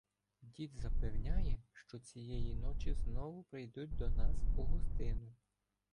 Дід запевняє, що цієї ночі знову прийдуть до нас у гостину.